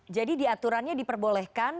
jadi diaturannya diperbolehkan